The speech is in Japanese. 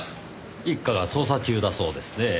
一課が捜査中だそうですねぇ。